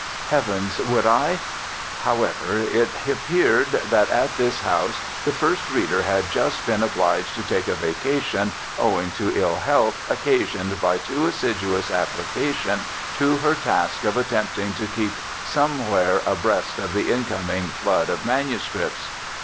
Heavens! would I However, it appeared that at this house the first reader had just been obliged to take a vacation owing to ill health occasioned by too assiduous application to her task of attempting to keep somewhere abreast of the incoming flood of manuscripts.